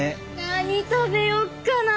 何食べよっかな！